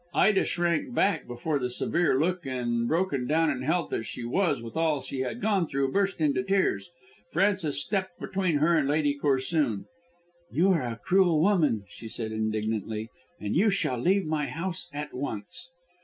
Ida shrank back before that severe look, and broken down in health as she was with all she had gone through, burst into tears. Frances stepped between her and Lady Corsoon. "You are a cruel woman," she said indignantly, "and you shall leave my house at once."